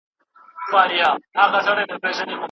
د زلمیو توري څڼي به تاوده کړي محفلونه